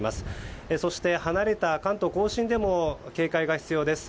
そして、離れた関東・甲信でも警戒が必要です。